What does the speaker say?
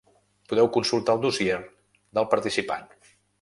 Podeu consultar el dossier del participant.